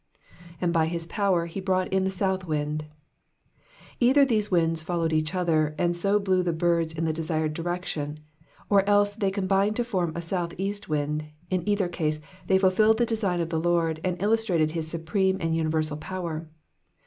'' ''''And by his power he brought in the south wind,'' ^ Either these winds followed each other, and so blew the birds in the desired direction, or else they combined to form a south east wind ; in either case they fulfilled the design of the Lord, and illustrated his supreme and universal power.